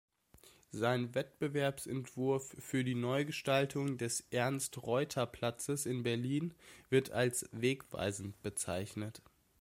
Sein Wettbewerbsentwurf für die Neugestaltung des Ernst-Reuter-Platzes in Berlin wird als wegweisend bezeichnet.